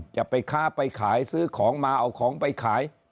จะไปค้าไปขายซื้อของมาเอาของไปขาย